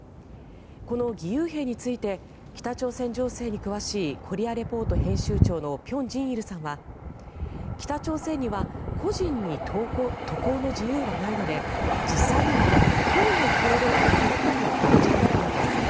この義勇兵について北朝鮮情勢に詳しい「コリア・レポート」編集長の辺真一さんは北朝鮮には個人に渡航の自由はないので実際には党の意向で送り込む軍人だといいます。